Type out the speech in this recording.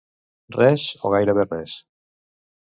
Res, o gairebé res.